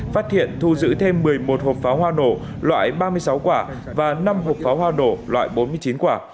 phát hiện thu giữ thêm một mươi một hộp pháo hoa nổ loại ba mươi sáu quả và năm hộp pháo hoa nổ loại bốn mươi chín quả